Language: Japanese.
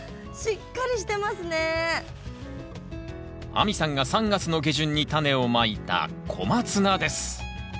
亜美さんが３月の下旬にタネをまいたコマツナです